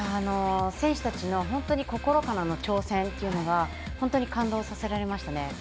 選手たちの心からの挑戦が本当に感動させられましたね。